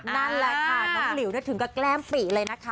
นั่นแหละค่ะน้องหลิวถึงกับแกล้มปีเลยนะคะ